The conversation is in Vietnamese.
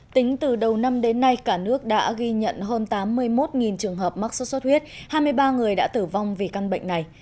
tính từ đầu năm đến nay cả nước đã ghi nhận hơn tám mươi một trường hợp mắc sốt xuất huyết hai mươi ba người đã tử vong vì căn bệnh này